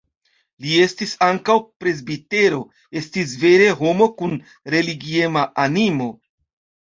Li estis ankaŭ presbitero, estis vere homo kun religiema animo.